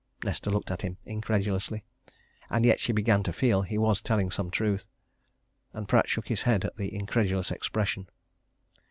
Nesta looked at him incredulously and yet she began to feel he was telling some truth. And Pratt shook his head at the incredulous expression.